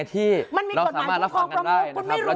ที่เราสามารถรับฟังกันได้